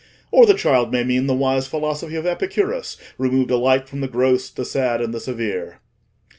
Or, the child may mean the wise philosophy of Epicurus, removed alike from the gross, the sad, and the severe."